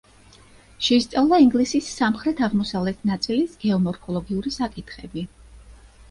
შეისწავლა ინგლისის სამხრეთ-აღმოსავლეთ ნაწილის გეომორფოლოგიური საკითხები.